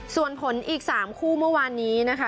ส่วนผลอีก๓คู่เมื่อวานนี้นะคะ